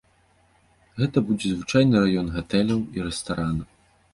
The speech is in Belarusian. Гэта будзе звычайны раён гатэляў і рэстаранаў.